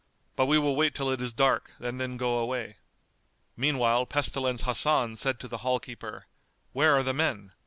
But we will wait till it is dark and then go away." Meanwhile Pestilence Hasan said to the hall keeper, "Where are the men?"